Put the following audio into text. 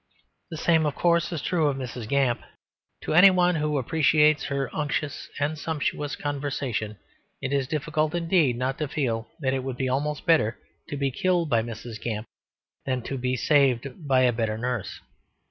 The same of course is true of Mrs. Gamp. To any one who appreciates her unctuous and sumptuous conversation it is difficult indeed not to feel that it would be almost better to be killed by Mrs. Gamp than to be saved by a better nurse.